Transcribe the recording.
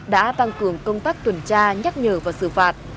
đã tăng cường công tác tuần tra nhắc nhở và xử phạt